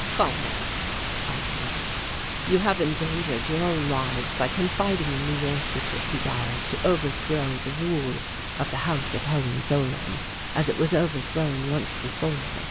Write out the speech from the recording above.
"Comrades," I said, "you have endangered your own lives by confiding in me your secret desires to overthrow the rule of the House of Hohenzollern as it was overthrown once before.